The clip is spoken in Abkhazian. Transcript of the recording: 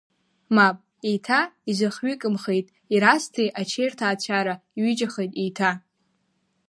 Мап, еиҭа изыхҩыкымхеит Ерасҭи Ачеи рҭаацәара, иҩыџьахеит еиҭа…